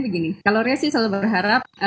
begini kalau rea sih selalu berharap